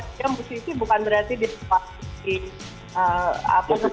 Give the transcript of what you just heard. dia musisi bukan berarti di sebuah musik